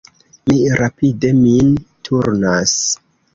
Mi rapide min turnas.